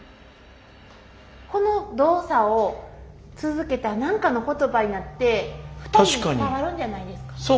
この動作を続けたら何かの言葉になって２人に伝わるんじゃないですか？